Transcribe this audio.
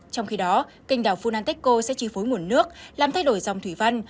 trong khi đó kênh đảo funantechco sẽ chi phối nguồn nước làm thay đổi dòng thủy văn